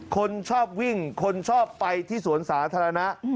คนชอบวิ่งคนชอบไปที่สวนสาธารณะ